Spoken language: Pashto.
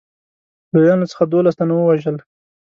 لویانو څخه دوولس تنه ووژل.